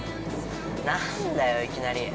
◆何だよ、いきなり。